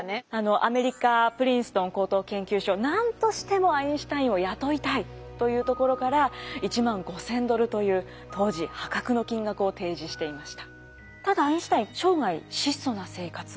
アメリカプリンストン高等研究所何としてもアインシュタインを雇いたいというところから１万５，０００ドルという当時破格の金額を提示していました。